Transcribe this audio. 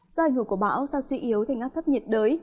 do ảnh hưởng của bão do suy yếu thành áp thấp nhiệt đới